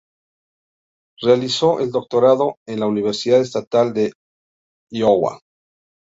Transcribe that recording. Realizó el doctorado en la Universidad Estatal de Iowa.